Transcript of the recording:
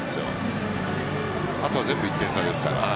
あとは全部１点差ですから。